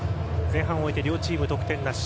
前半を終えて両チーム得点なし。